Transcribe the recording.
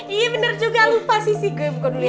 iya bener juga lupa sissy gue buka dulu ya